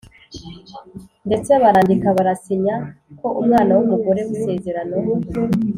ndetse barandika barasinya ko umwana wumugore wisezerano